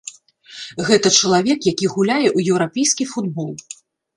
Гэта чалавек, які гуляе ў еўрапейскі футбол.